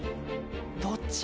どっちや？